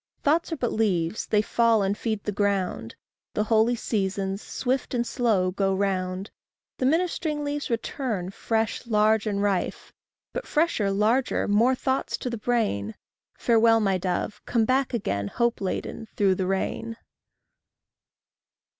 Thoughts are but leaves; they fall and feed the ground. The holy seasons, swift and slow, go round; The ministering leaves return, fresh, large, and rife But fresher, larger, more thoughts to the brain: Farewell, my dove! come back, hope laden, through the rain.